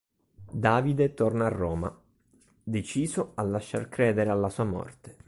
Davide torna a Roma, deciso a lasciar credere alla sua morte.